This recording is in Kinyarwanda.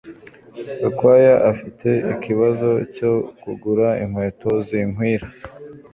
Gakwaya afite ikibazo cyo kugura inkweto zikwiranye